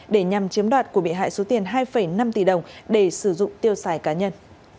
để nhằm chiếm đoạt của bị hại số tiền hai năm tỷ đồng để sử dụng tiêu xài cá nhân